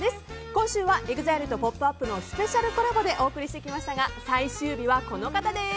今週はＥＸＩＬＥと「ポップＵＰ！」のスペシャルコラボでお送りしてきましたが最終日はこの方です。